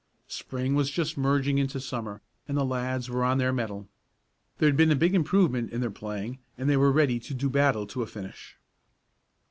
Spring was just merging into Summer, and the lads were on their mettle. There had been a big improvement in their playing, and they were ready to do battle to a finish.